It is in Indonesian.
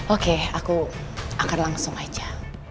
oke aku akan langsung aja